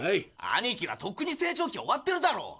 兄貴はとっくに成長期終わってるだろ！